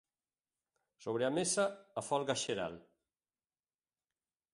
Sobre a mesa, a folga xeral.